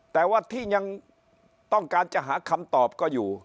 แต่ว่าที่ยังต้องการจะหาคำตอบก็อยู่